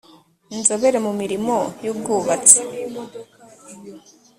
inzobere mu mirimo y ubwubatsi